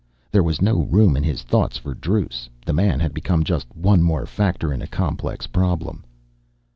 There was no room in his thoughts for Druce, the man had become just one more factor in a complex problem.